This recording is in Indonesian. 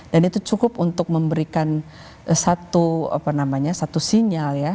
dan itu cukup untuk memberikan satu sinyal ya